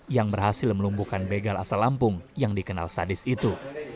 yang berhasil melumbuhkan begal asal lampung yang dikenal sadis itu